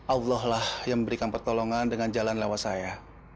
allah lah yang memberikan pertolongan dengan jalan lewat saya